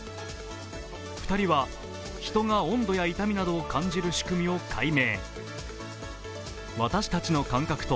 ２人は、人が温度や痛みなどを知る仕組みを解明。